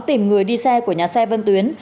tìm người đi xe của nhà xe vân tuyến